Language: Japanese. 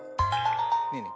ねえねえ